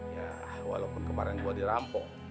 ya walaupun kemarin gue dirampok